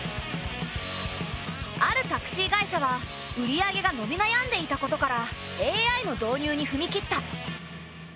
あるタクシー会社は売り上げがのびなやんでいたことからＡＩの導入にふみ切った。